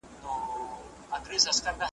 د نبي کریم لارښوونې رڼا ده.